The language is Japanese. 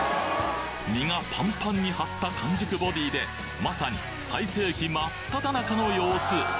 実がパンパンに張った完熟ボディーでまさに最盛期真っ只中の様子